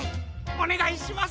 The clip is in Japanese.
おねがいします。